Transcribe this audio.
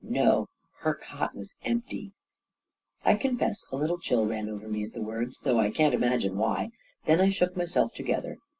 44 No — her cQt ivas empty." A KING IN BABYLON 173 I confess a little chill ran over me at the words, though I can't imagine why. Then I shook myself together.